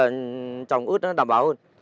mình trồng ớt nó đảm bảo hơn